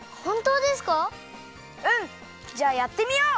うん！じゃあやってみよう！